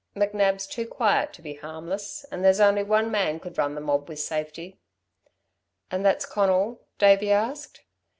"McNab's too quiet to be harmless, and there's only one man could run the mob with safety." "And that's Conal?" Davey asked.